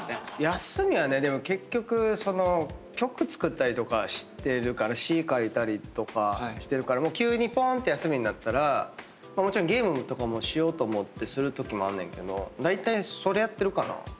休みはねでも結局曲作ったりとかしてるから詞書いたりとかしてるから急にぽんって休みになったらゲームとかもしようと思ってするときもあんねんけどだいたいそれやってるかな。